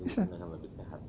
mungkin lebih sehat